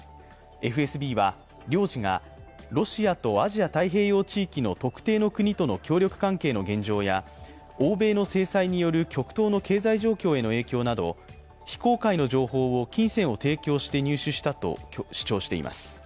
ＦＳＢは、領事がロシアとアジア太平洋地域の特定の国との協力関係の現状や欧米の制裁による極東の経済状況への影響など非公開の情報を金銭を提供して入手したと主張しています。